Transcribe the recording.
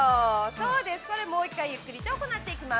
そうです、それをもう一回ゆっくりと行っていきます。